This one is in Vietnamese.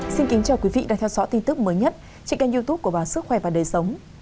xin kính chào quý vị đang theo dõi tin tức mới nhất trên kênh youtube của báo sức khỏe và đời sống